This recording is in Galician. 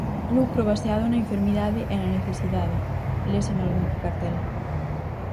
"Lucro baseado na enfermidade e na necesidade", leuse nalgún cartel.